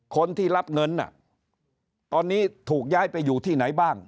คนที่รับเงินตอนนี้ถูกย้ายไปอยู่ที่ไหนบ้าง